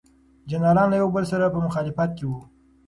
جنرالان له یو بل سره په مخالفت کې وو.